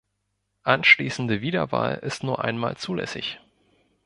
Anschließende Wiederwahl ist nur einmal zulässig.